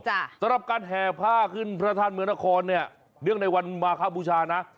สำหรับการแห่ผ้าขึ้นพระธาตุเมืองนครเนี่ยเนื่องในวันมาครับบูชานะ